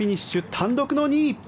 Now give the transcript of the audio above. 単独の２位。